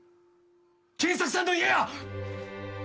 賢作さんの家や！